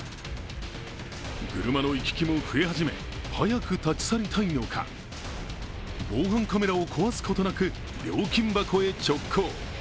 車の行き来も増え始め早く立ち去りたいのか防犯カメラを壊すことなく料金箱へ直行。